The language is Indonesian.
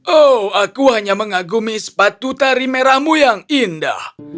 oh aku hanya mengagumi sepatu tari merahmu yang indah